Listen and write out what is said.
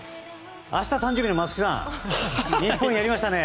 明日誕生日の松木さん日本やりましたね！